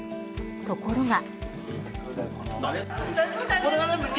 ところが。